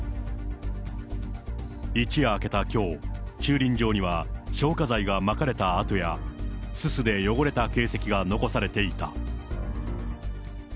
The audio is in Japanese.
一夜明けたきょう、駐輪場には消火剤がまかれたあとや、すすで汚れた形跡が残されていた。